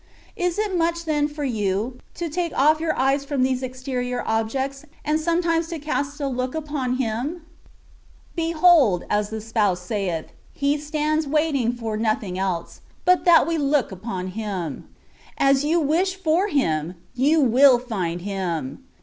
Is it much then for you, to take off your eyes from these exterior objects, and sometimes to cast a look upon Him ? Behold, as the Spouse saith. He stands waiting for nothing else, but that we look upon Him. As you wish for Him, you will find Him.